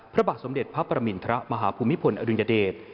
พระบาทสมเด็จพระประมินทรมาฮภูมิพลอดุญเดช